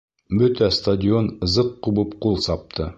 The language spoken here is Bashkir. Бөтә стадион зыҡ ҡубып ҡул сапты.